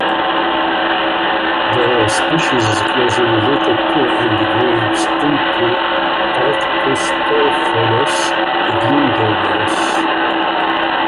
This subspecies is closely related to and grades into "Arctostaphylos glandulosa" subsp.